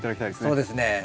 そうですね。